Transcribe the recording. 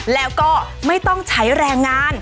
แล้วก็ไม่ต้องใช้แรงงาน